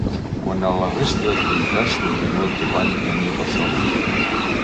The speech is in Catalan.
Quant a la resta d’activitats, continua el topall de mil persones.